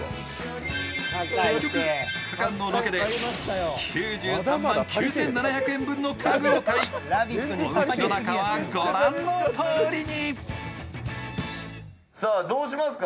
結局、２日間のロケで９３万９７００円分の家具を買いうちの中は御覧のとおりに。